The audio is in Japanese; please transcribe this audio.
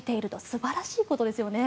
素晴らしいことですよね。